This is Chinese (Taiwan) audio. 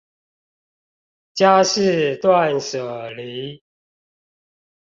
家事斷捨離